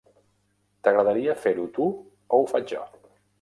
T'agradaria fer-ho tu o ho faig jo?